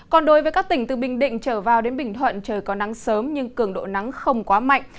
còn đối với các tỉnh từ bình định trở vào đến bình thuận trời có nắng sớm nhưng cường độ nắng không quá mạnh